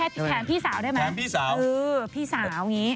แถมพี่สาวได้ไหม